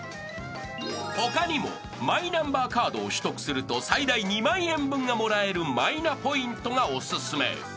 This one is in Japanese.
［他にもマイナンバーカードを取得すると最大２万円分がもらえるマイナポイントがおすすめ］